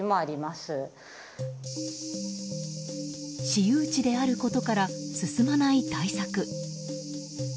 私有地であることから進まない対策。